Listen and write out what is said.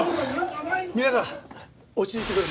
皆さん落ち着いてください。